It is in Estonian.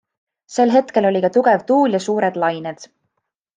Sel hetkel oli ka tugev tuul ja suured lained.